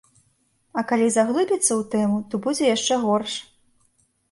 А калі заглыбіцца ў тэму, то будзе яшчэ горш.